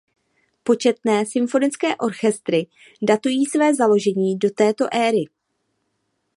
Početné symfonické orchestry datují své založení do této éry.